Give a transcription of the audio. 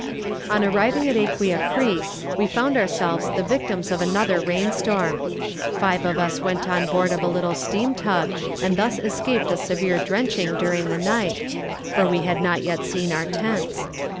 On arriving at Aquia Creek, we found ourselves the victims of another rainstorm. Five of us went on board of a little steam tug, and thus escaped a severe drenching during the night, for we had not yet seen our tents.